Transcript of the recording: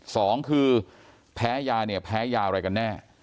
สองคือแพ้ยายาอะไรกันแน่